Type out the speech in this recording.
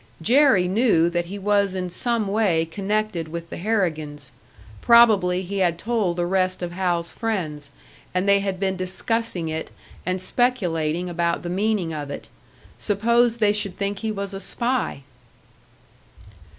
Jerry knew that he was in some way connected with the Harrigans; probably he had told the rest of Hal's friends, and they had been discussing it and speculating about the meaning of it. Suppose they should think he was a spy?